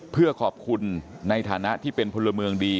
เพื่อขอบคุณในฐานะที่เป็นพลเมืองดี